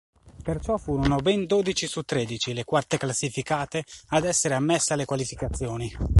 Perciò furono ben dodici su tredici le quarte classificate ad essere ammesse alle qualificazioni.